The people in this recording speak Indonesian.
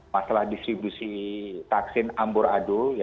masalah distribusi taksin ambur adul